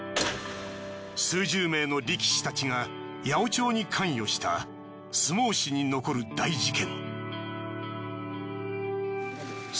数十名の力士たちが八百長に関与した相撲史に残る大事件。